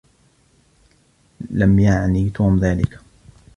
لم يعني توم ذلك.